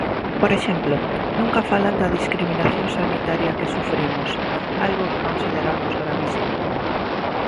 Por exemplo, nunca falan da discriminación sanitaria que sufrimos, algo que consideramos gravísimo.